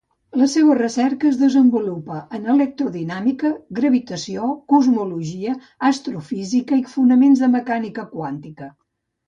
La seua recerca es desenvolupa en electrodinàmica, gravitació, cosmologia, astrofísica i fonaments de mecànica quàntica.